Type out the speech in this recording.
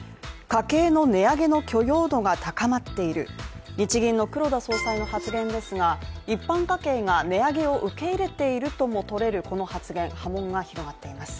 家計の値上げの許容度が高まっている日銀の黒田総裁の発言ですが、一般家計が値上げを受け入れているとも取れるこの発言波紋が広がっています。